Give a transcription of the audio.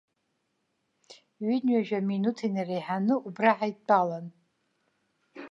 Ҩынҩажәа минуҭ инареиҳаны убра ҳаидтәалан.